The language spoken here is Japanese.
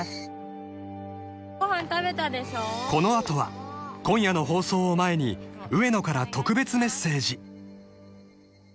［このあとは今夜の放送を前に上野から特別メッセージ］